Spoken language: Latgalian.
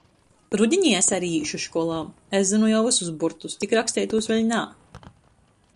Rudinī es ari īšu školā. Es zynu jau vysus burtus, tik raksteitūs vēļ nā.